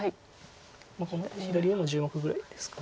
この左上も１０目ぐらいですか。